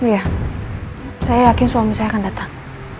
saya yakin suami saya akan datang